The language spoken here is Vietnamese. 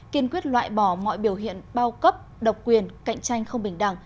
kiên quyết loại bỏ mọi biểu hiện bao cấp độc quyền cạnh tranh không bình đẳng